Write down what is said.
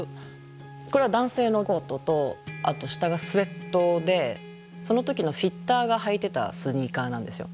これは男性のコートとあと下がスエットでその時のフィッターが履いてたスニーカーなんですよ。